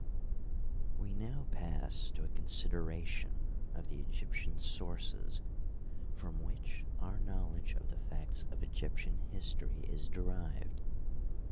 We now pass to a consideration of the Egyptian sources from which our knowledge of the facts of Egyptian history is derived.